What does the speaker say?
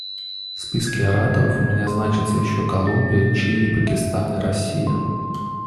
В списке ораторов у меня значатся еще Колумбия, Чили, Пакистан и Россия.